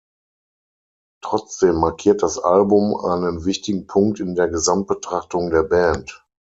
Trotzdem markiert das Album einen wichtigen Punkt in der Gesamtbetrachtung der Band.